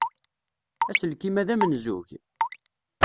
Aselkim-a d amenzug?